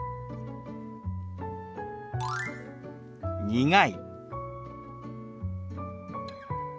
「苦い」。